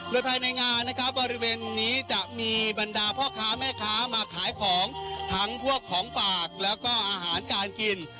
โดยภายในงานนะครับบริเวณนี้จะมีบรรดาพ่อค้าแม่ค้ามาขายของทั้งพวกของฝากแล้วก็อาหารการกิน